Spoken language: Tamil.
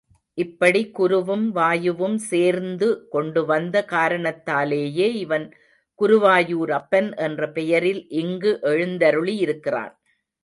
இப்படி குருவும் வாயுவும் சேர்ந்து கொண்டுவந்த காரணத்தாலேயே இவன் குருவாயூர் அப்பன் என்ற பெயரில் இங்கு எழுந்தருளியிருக்கிறான்.